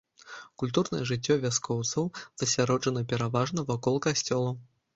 Культурнае жыццё вяскоўцаў засяроджана пераважна вакол касцёлу.